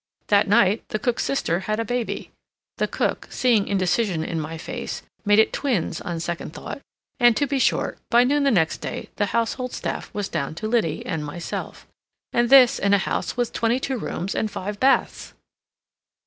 That night the cook's sister had a baby—the cook, seeing indecision in my face, made it twins on second thought—and, to be short, by noon the next day the household staff was down to Liddy and myself. And this in a house with twenty two rooms and five baths!